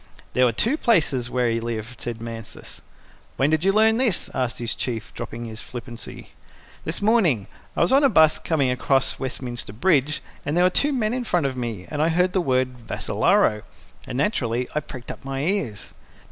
"There were two places where he lived," said Mansus. "When did you learn this?" asked his Chief, dropping his flippancy. "This morning. I was on a bus coming across Westminster Bridge, and there were two men in front of me, and I heard the word 'Vassalaro' and naturally I pricked up my ears."